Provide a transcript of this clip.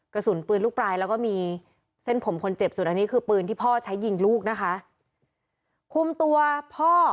กระสุนปืนลูกปลายแล้วก็มีเส้นผมคนเจ็บสุดอันนี้คือปืนที่พ่อใช้ยิงลูกนะคะคุมตัวพ่อ